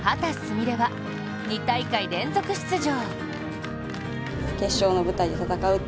美鈴は２大会連続出場。